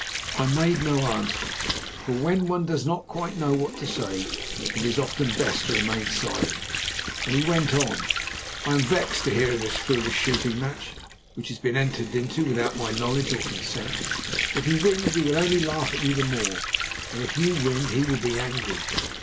I made no answer, for when one does not quite know what to say it is often best to remain silent, and he went on: "I am vexed to hear of this foolish shooting match which has been entered into without my knowledge or consent. If he wins he will only laugh at you the more, and if you win he will be angry."